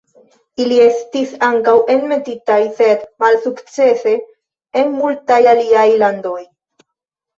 Ili estis ankaŭ enmetitaj sed malsukcese en multaj aliaj landoj.